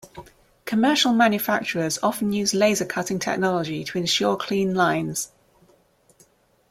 Commercial manufacturers often use laser cutting technology to ensure clean lines.